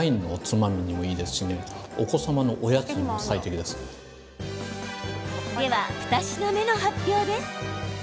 では、２品目の発表です。